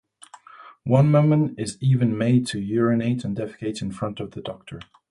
One woman is even made to urinate and defecate in front of the doctor.